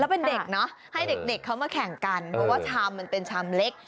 เป็นเด็กเนอะให้เด็กเขามาแข่งกันเพราะว่าชามมันเป็นชามเล็ก